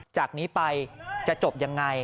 จากนี้ไปจะจบยังไง